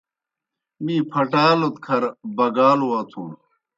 می پھٹالوْد کھر بَگالوْ وتُھن۔